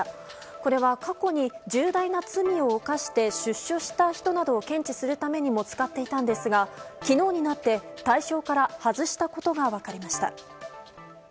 これは過去に重大な罪を犯して出所した人などを検知するためにも使っていたんですが昨日になって対象から外したことが分かりました。